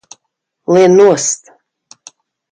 Lien nost!